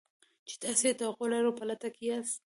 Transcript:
چې تاسې يې توقع لرئ او په لټه کې يې ياست.